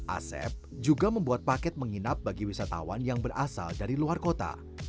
asep juga membuat paket menginap bagi wisatawan yang berasal dari luar kota